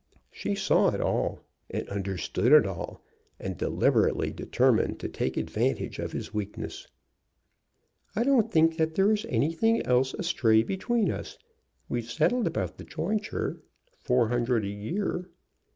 She saw it all and understood it all, and deliberately determined to take advantage of his weakness. "I don't think that there is anything else astray between us. We've settled about the jointure, four hundred a year.